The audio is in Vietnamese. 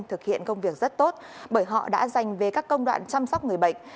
thực hiện công việc rất tốt bởi họ đã dành về các công đoạn chăm sóc người bệnh